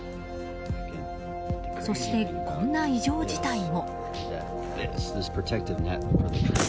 そして、こんな異常事態も。